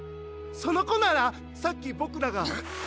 そのこならさっきボクらが。